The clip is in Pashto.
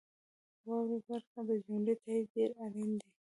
واورئ برخه د جملو تایید ډیر اړین دی.